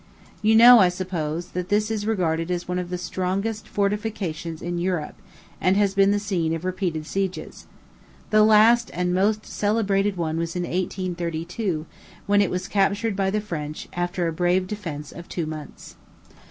You know, I suppose, that this is regarded as one of the strongest fortifications in Europe, and has been the scene of repeated sieges. The last and most celebrated one was in 1832, when it was captured by the French, after a brave defence of two months.